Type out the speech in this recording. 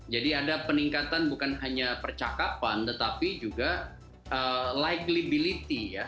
jadi ada peningkatan bukan hanya percakapan tetapi juga likability ya